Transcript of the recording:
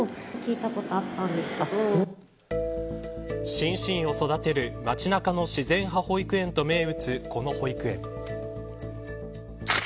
心身を育てる街中の自然派保育園と銘打つこの保育園。